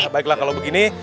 baiklah kalau begini